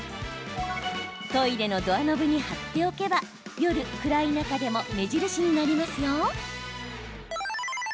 トイレのドアノブに貼っておけば夜、暗い中でも目印になりますよ。